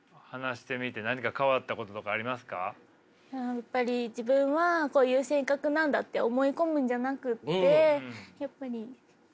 やっぱり自分はこういう性格なんだって思い込むんじゃなくてやっぱり何て言うんですかね